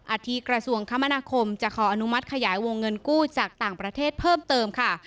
ที่กระทรวงคมนาคมจะขออนุมัติขยายวงเงินกู้จากต่างประเทศเพิ่มเติมค่ะ